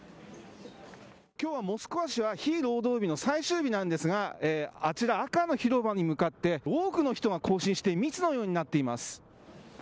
今日はモスクワ市は非労働日の最終日なんですが、あちら、赤の広場に向かって多くの人が行進して密のようになっています。